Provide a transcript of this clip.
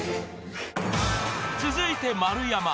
［続いて丸山］